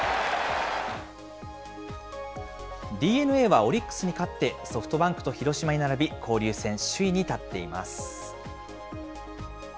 ＤｅＮＡはオリックスに勝って、ソフトバンクと広島に並び交流戦首位に立っています。